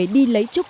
đi lấy trúc